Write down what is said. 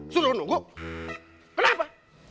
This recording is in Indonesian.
suruh nunggu kenapa